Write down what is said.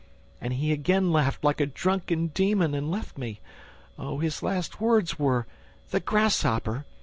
... And he again laughed like a drunken demon and left me. Oh, his last words were, 'The grasshopper!